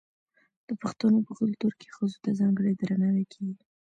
د پښتنو په کلتور کې ښځو ته ځانګړی درناوی کیږي.